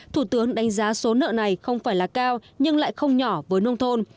thủ tướng đánh giá số nợ này không phải là cao nhưng lại không nhỏ với nông thôn